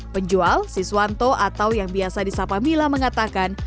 penjual siswanto atau yang biasa di sapa mila mengatakan